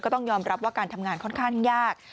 ต้องยอมรับว่าการทำงานค่อนข้างยาก